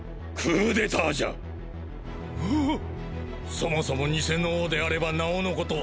そもそも偽の王であればなおのこと。